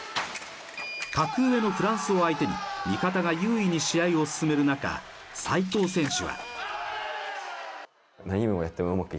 格上のフランスを相手に味方が優位に試合を進める中西藤選